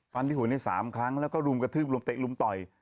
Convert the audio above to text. ฟันที่หัวได้๓ครั้งแล้วก็รุมกระทึบตะย์รุมต่อย